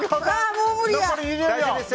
もう無理や！